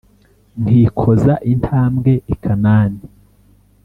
nkikoza intambwe i kanani